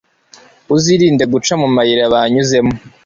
uzirinde guca mu mayira banyuzemo